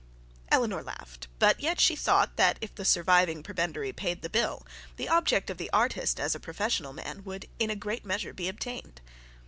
Eleanor laughed; but yet she thought that if the surviving prebendary paid the bill the object of the artist as a professional man would, in great measure, be obtained.